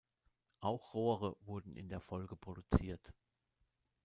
Auch Rohre wurden in der Folge produziert.